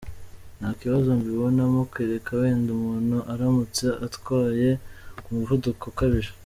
Nta kibazo mbibonamo kereka wenda umuntu aramutse atwaye ku muvuduko ukabije.